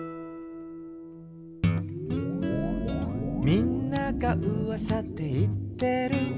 「みんながうわさでいってる」